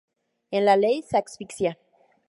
En la ley se asfixia.